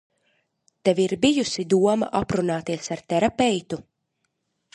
Tev ir bijusi doma aprunāties ar terapeitu?